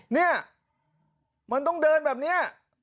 เนี่ยมันต้องเดินแบบนี้